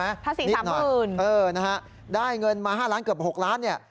ภาษี๓๐๐๐๐บาทนิดหน่อยเออนะครับได้เงินมา๕ล้านบาทเกือบ๖ล้านบาท